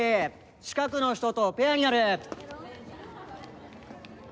近くの人とペアになる。